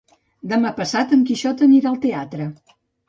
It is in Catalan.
Demà passat en Quixot anirà al teatre.